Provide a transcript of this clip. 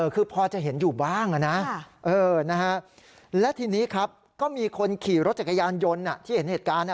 คือพอจะเห็นอยู่บ้างนะและทีนี้ครับก็มีคนขี่รถจักรยานยนต์ที่เห็นเหตุการณ์